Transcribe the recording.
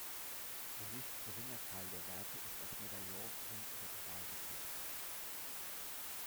Ein nicht geringer Teil der Werke ist als Medaillon rund oder oval gefasst.